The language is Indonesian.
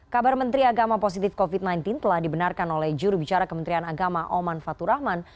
kabar menteri agama positif covid sembilan belas telah dibenarkan oleh jurubicara kementerian agama oman fatur rahman